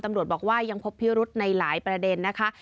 ตำรวจบอกว่ายังพบพิรุธในหลายประเด็นนะคะ